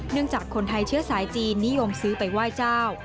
จากคนไทยเชื้อสายจีนนิยมซื้อไปไหว้เจ้า